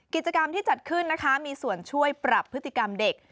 กิจกรรมที่จัดขึ้นนะคะมีส่วนช่วยปรับพฤติกรรมเด็ก